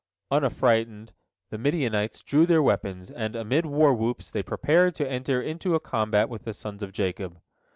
Unaffrighted, the Midianites drew their weapons, and, amid war whoops, they prepared to enter into a combat with the sons of Jacob.